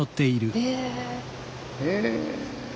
へえ。